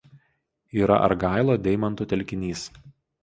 Yra Argailo deimantų telkinys.